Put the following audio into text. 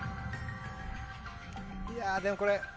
いやでもこれ。